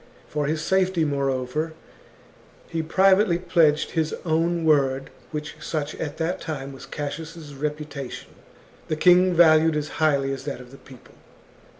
For his safety, moreover, he privately pledged his own word, which, such at that time was Cassius' reputation, the king valued as highly as that of the people.